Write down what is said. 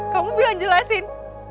kamu bilang jelasin